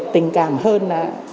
tình cảm hơn là